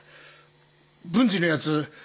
文治のやつ